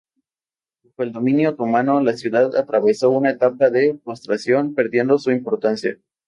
Bajo el dominio otomano la ciudad atravesó una etapa de postración, perdiendo su importancia.